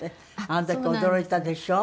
あの時驚いたでしょ？